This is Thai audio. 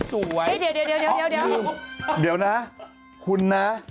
เดี๋ยวเดี๋ยวเดี๋ยวนะคุณนะ